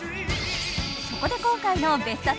そこで今回の「別冊！